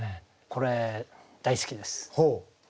これ大好きです。